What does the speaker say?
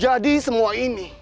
jadi semua ini